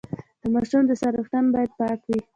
د ماشوم د سر ویښتان باید پاک وي۔